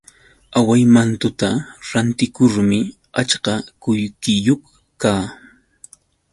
Awaymantuta rantikurmi achka qullqiyuq kaa.